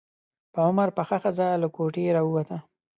په عمر پخه ښځه له کوټې راووته.